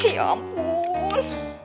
hih ya ampun